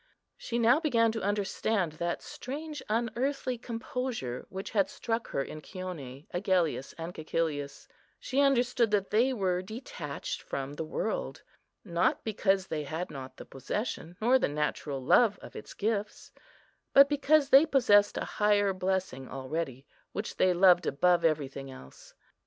She now began to understand that strange, unearthly composure, which had struck her in Chione, Agellius, and Cæcilius; she understood that they were detached from the world, not because they had not the possession, nor the natural love of its gifts, but because they possessed a higher blessing already, which they loved above everything else.